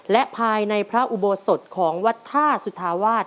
และภายในพระอุโบสถของวัดท่าสุธาวาส